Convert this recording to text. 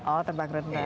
oh terbang rendah